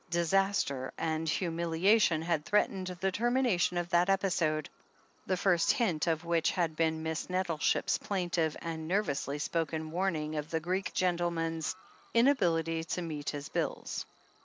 Disaster and humiliation had threatened the termina tion of that episode, the first hint of which had been Miss Nettleship's plaintive and nervously spoken warn ing of the Greek gentleman's inability to meet his bills.